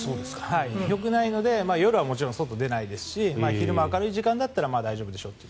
よくないので夜はもちろん外に出ないですし昼間の明るい時間だったら大丈夫でしょうと。